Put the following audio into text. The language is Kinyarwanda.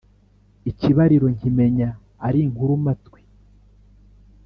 ikibariro nkimenya ari nkuru-matwi,